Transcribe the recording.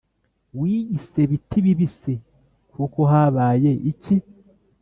Wiyise biti bibisi kuko habaye iki